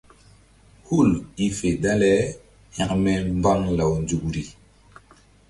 Hul i fe dale hȩkme mbaŋ law nzukri.